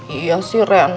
iya sih ren